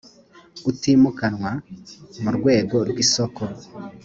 utimukanwa mu rwego rw isoko